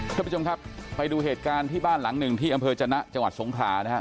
ท่านผู้ชมครับไปดูเหตุการณ์ที่บ้านหลังหนึ่งที่อำเภอจนะจังหวัดสงขลานะครับ